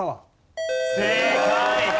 正解。